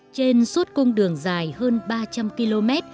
trên suốt cung đường dài hơn ba trăm linh km